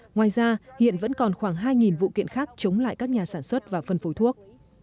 ngoài ra hiện vẫn còn khoảng hai vụ kiện khác chống lại các nhà sản xuất và phân phối thuốc